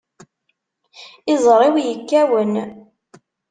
Iẓri-w yekkawen.